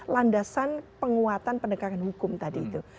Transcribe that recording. landasan penguatan pendekatan hukum tadi itu